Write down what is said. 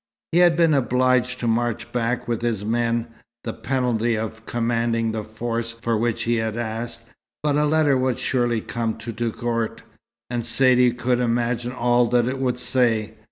He had been obliged to march back with his men the penalty of commanding the force for which he had asked; but a letter would surely come to Touggourt, and Saidee could imagine all that it would say.